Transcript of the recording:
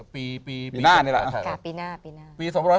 ปีหน้านี่แหละ